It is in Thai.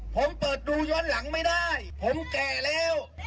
ผมเปิดดูย้อนหลังไม่ได้ผมแก่แล้ว